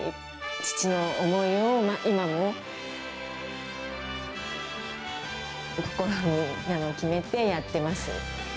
父の思いを今も心に決めてやってます。